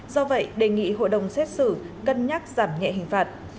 do vậy đề nghị hội đồng xét xử cân nhắc giảm nhẹ hình phạt